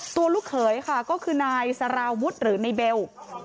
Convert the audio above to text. ตัวลูกเขยค่ะก็คือนายสาราวุธหรือนายเบล